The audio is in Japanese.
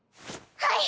はい！